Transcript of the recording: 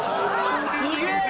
すげえ！